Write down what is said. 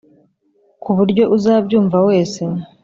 ku buryo uzabyumva wese